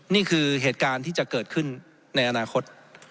นี่คือเหตุการณ์ที่จะเกิดขึ้นในอนาคต